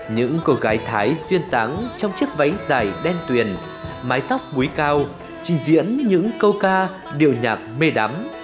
những cô gái thái xuyên sáng trong chiếc váy dài đen tuyền mái tóc búi cao trình diễn những câu ca điều nhạc mê đắm